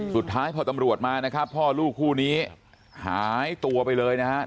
สุดท้ายพอตำรวจมานะครับพ่อลูกคู่นี้หายตัวไปเลยนะครับ